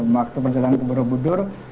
waktu perjalanan ke borobudur